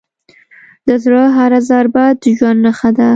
د زړه هره ضربه د ژوند نښه ده.